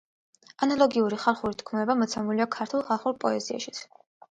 ანალოგიური ხალხური თქმულება მოცემულია „ქართულ ხალხურ პოეზიაშიც“.